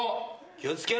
気を付けろ。